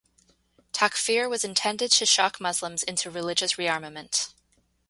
Takfir was intended to shock Muslims into religious re-armament.